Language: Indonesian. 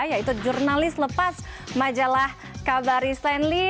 yaitu jurnalis lepas majalah kabari stanley